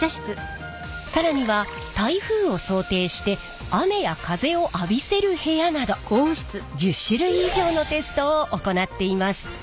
更には台風を想定して雨や風を浴びせる部屋など１０種類以上のテストを行っています。